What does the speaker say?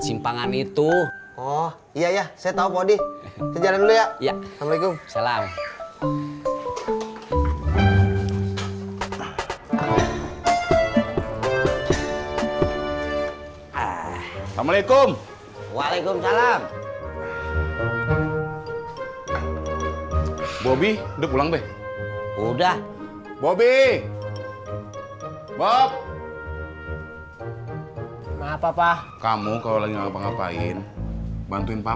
sampai jumpa di video selanjutnya